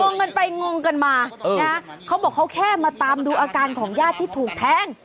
งกันไปงงกันมานะเขาบอกเขาแค่มาตามดูอาการของญาติที่ถูกแทง